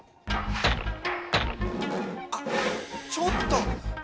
あっちょっともう！